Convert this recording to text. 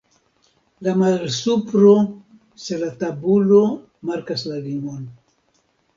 La malsupro se la tabulo markas la limon.